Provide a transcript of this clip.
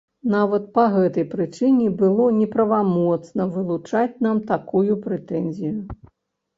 Нават па гэтай прычыне было неправамоцна вылучаць нам такую прэтэнзію.